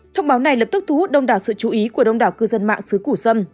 thông báo này lập tức thu hút đông đảo sự chú ý của đông đảo cư dân mạng xứ củ xâm